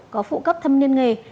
có phụ cấp thâm niên nghề